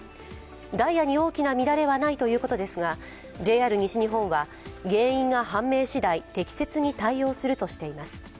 ダイヤに大きな乱れはないということですがＪＲ西日本は原因が判明次第、適切に対応するとしています。